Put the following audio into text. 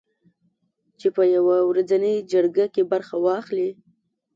چې په یوه ورځنۍ جرګه کې برخه واخلي